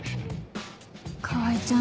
川合ちゃん